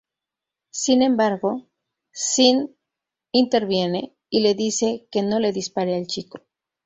Sin embargo, Sin interviene y le dice que no le dispare al chico.